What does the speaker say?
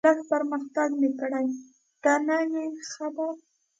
لږ پرمختګ مې کړی، ته نه یې خبر.